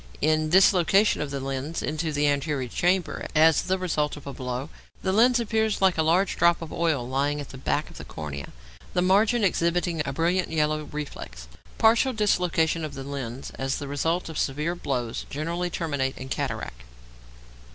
In dislocation of the lens into the anterior chamber as the result of a blow, the lens appears like a large drop of oil lying at the back of the cornea, the margin exhibiting a brilliant yellow reflex. Partial dislocations of the lens as the result of severe blows generally terminate in cataract.